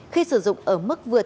khi sử dụng ở mức vừa